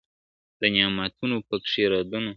د نعمتونو پکښي رودونه `